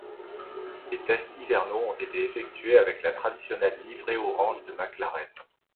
Les tests hivernaux ont été effectués avec la traditionnelle livrée orange de McLaren.